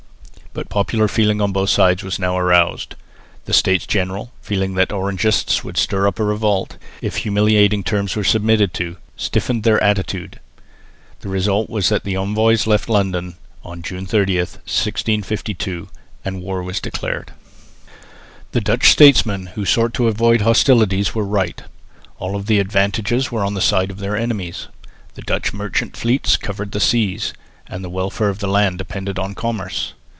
But popular feeling on both sides was now aroused. The States General, fearing that the Orangists would stir up a revolt, if humiliating terms were submitted to, stiffened their attitude. The result was that the envoys left London on June 30, 1652; and war was declared. The Dutch statesmen who sought to avoid hostilities were right. All the advantages were on the side of their enemies. The Dutch merchant fleets covered the seas, and the welfare of the land depended on commerce.